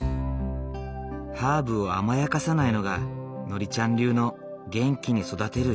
ハーブを甘やかさないのがノリちゃん流の元気に育てる秘けつ。